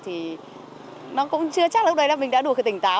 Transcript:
thì nó cũng chưa chắc lúc đấy là mình đã đủ cái tỉnh táo